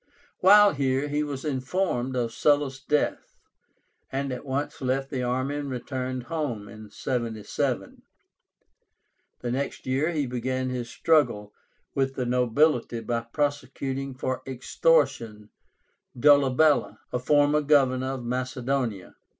While here he was informed of Sulla's death, and at once left the army and returned home (77). The next year he began his struggle with the nobility by prosecuting for extortion Dolabella, a former Governor of Macedonia.